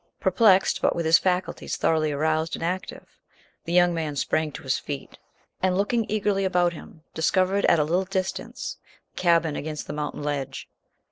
Perplexed, but with his faculties thoroughly aroused and active, the young man sprang to his feet, and, looking eagerly about him, discovered at a little distance the cabin against the mountain ledge.